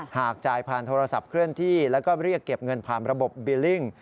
หากจ่ายผ่านโทรศัพท์เคลื่อนที่แล้วก็เรียกเก็บเงินผ่านระบบบิลลิ่ง